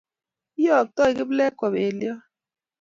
lyoktoi kiplekwa belion